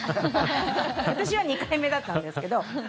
私は２回目だったんですけど。